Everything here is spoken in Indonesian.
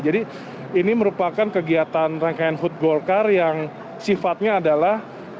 jadi ini merupakan kegiatan rangkaian hud gokart yang sifatnya adalah